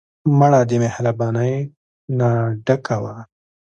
مړه د مهربانۍ نه ډکه وه